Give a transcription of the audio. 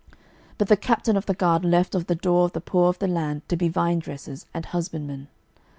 12:025:012 But the captain of the guard left of the door of the poor of the land to be vinedressers and husbandmen.